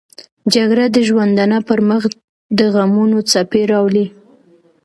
جګړه د ژوندانه پر مخ دغمونو څپې راولي